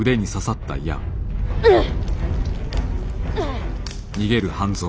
うっ！